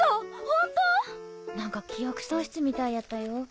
ホント⁉何か記憶喪失みたいやったよ。